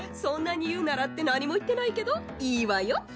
「そんなにいうなら」ってなにもいってないけどいいわよ。